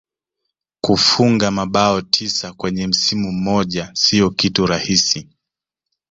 kufunga mabao tisa kwenye msimu mmoja sio kitu rahisi